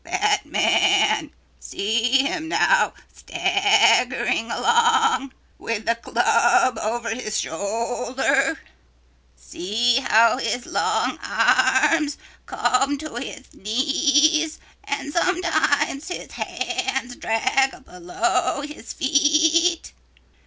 "That man see him now staggering along with the club over his shoulder see how his long arms come to his knees and sometimes his hands drag below his feet.